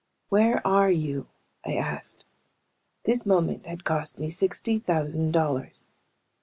"Where are you?" I asked. This moment had cost me sixty thousand dollars.